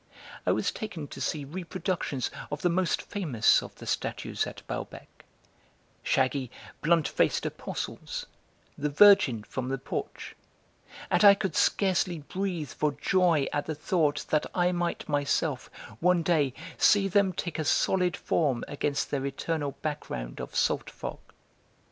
I was taken to see reproductions of the most famous of the statues at Balbec, shaggy, blunt faced Apostles, the Virgin from the porch, and I could scarcely breathe for joy at the thought that I might myself, one day, see them take a solid form against their eternal background of salt fog.